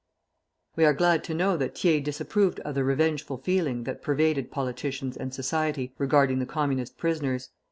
We are glad to know that Thiers disapproved of the revengeful feeling that pervaded politicians and society, regarding the Communist prisoners.